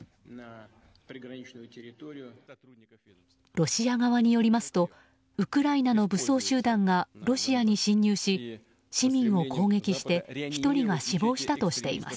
ロシア側によりますとウクライナの武装集団がロシアに侵入し市民を攻撃して１人が死亡したとしています。